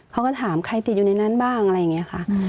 เขาก็ถามใครติดอยู่ในนั้นบ้างอะไรอย่างนี้ค่ะ